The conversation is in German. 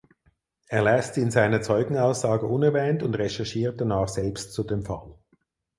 Er lässt sie in seiner Zeugenaussage unerwähnt und recherchiert danach selbst zu dem Fall.